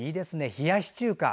冷やし中華。